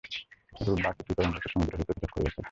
রূপ বা আকৃতিই তরঙ্গকে সমুদ্র হইতে পৃথক করিয়াছে।